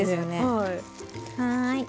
はい。